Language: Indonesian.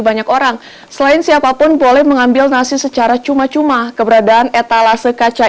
banyak orang selain siapapun boleh mengambil nasi secara cuma cuma keberadaan etalase kaca